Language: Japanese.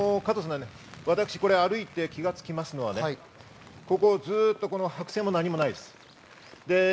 歩いて気がつきますのは、ずっと白線もなにもないです。